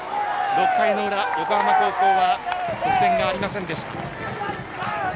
６回の裏、横浜高校は得点ありませんでした。